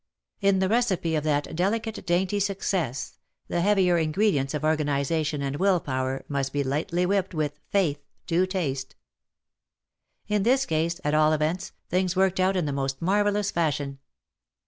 In the recipe of that delicate dainty WAR AND WOMEN 6i success," the heavier ingredients of organiza tion and will power, must be lightly whipped with "faith" to taste. In this case, at all events, things worked out in the most marvel lous fashion.